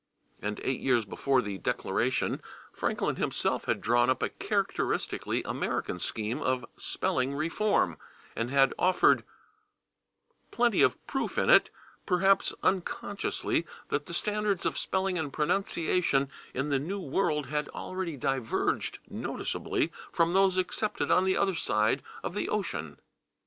And eight years before the Declaration Franklin himself had drawn up a characteristically American scheme of spelling reform, and had offered plenty of proof in it, perhaps unconsciously, that the standards of spelling and pronunciation in the New World had already diverged noticeably from those accepted on the other side of the ocean.